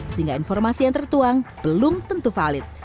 sehingga informasi yang tertuang belum tentu valid